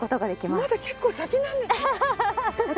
まだ結構先なんですね。